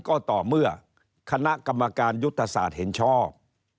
ก็ต่อเมื่อคณะกรรมการยุทธศาสตร์เห็นชอบ